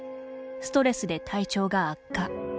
ストレスで体調が悪化。